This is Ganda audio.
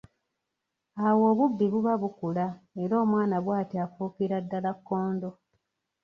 Awo obubbi buba bukula era omwana bwatyo afuukira ddala kkondo.